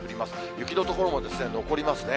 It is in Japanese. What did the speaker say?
雪の所も残りますね。